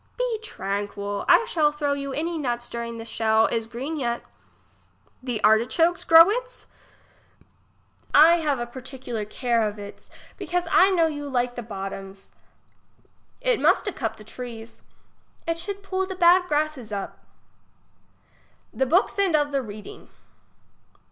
Be tranquil, I shall throw you any nuts during the shell is gfreen yet The artichoks grow its ? I have a particular care of its, because I know you like the bottoms. It must to cup the trees. It should pull the bad grasses up. ^the hooks and of the reading.